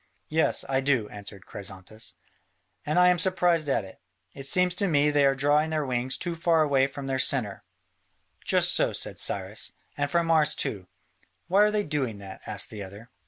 "Yes, I do," answered Chrysantas, "and I am surprised at it: it seems to me they are drawing their wings too far away from their centre." "Just so," said Cyrus, "and from ours too." "Why are they doing that?" asked the other.